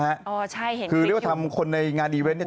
ใช่เห็นคือเรียกว่าทำคนในงานอีเวนต์เนี่ย